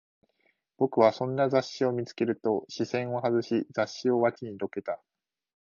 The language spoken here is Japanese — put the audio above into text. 僕はそんな雑誌を見つけると、視線を外し、雑誌を脇にどけた